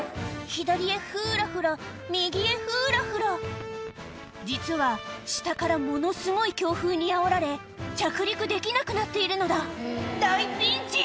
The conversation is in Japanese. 左へふらふら右へふらふら実は下からものすごい強風にあおられ着陸できなくなっているのだ大ピンチ！